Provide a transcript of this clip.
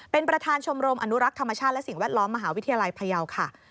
เป็นประธานชมรมอนุรักษ์ธรรมชาติและสิ่งแวดล้อมมหาวิทยาลัยพยาวค่ะ